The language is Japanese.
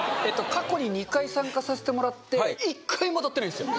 過去に２回参加させてもらって１回も当たってないんですよ